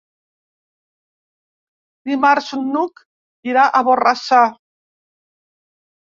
Dimarts n'Hug irà a Borrassà.